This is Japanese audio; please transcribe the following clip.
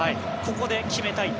ここで決めたい。